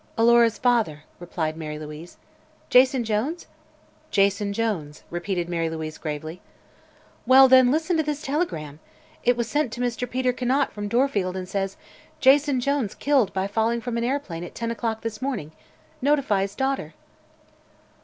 "Alora's father," replied Mary Louise. "Jason Jones?" "Jason Jones," repeated Mary Louise gravely. "Well, then, listen to this telegram. It was sent to Mr. Peter Conant from Dorfield and says: 'Jason Jones killed by falling from an aeroplane at ten o'clock this morning. Notify his daughter.'"